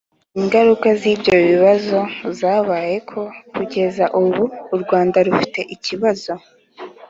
ingaruka z'ibyo bibazo zabaye ko kugeza ubu u rwanda rufite ikibazo